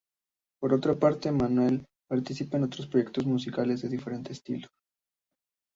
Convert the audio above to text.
Por otra parte, Manuel participa en otros proyectos musicales de diferente estilo.